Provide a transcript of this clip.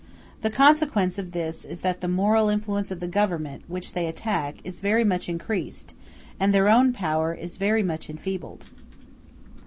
The consequence of this is that the moral influence of the Government which they attack is very much increased, and their own power is very much enfeebled.